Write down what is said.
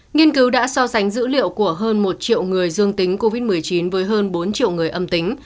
nghiên cứu đã so sánh dữ liệu của hơn một triệu người dương tính covid một mươi chín với hơn bốn triệu người âm tính